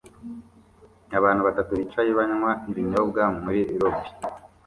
Abantu batatu bicaye banywa ibinyobwa muri lobby